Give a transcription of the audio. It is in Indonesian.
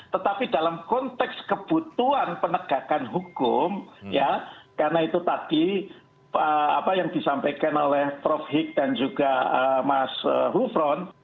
tetapi dalam konteks kebutuhan penegakan hukum ya karena itu tadi apa yang disampaikan oleh prof hik dan juga mas hufron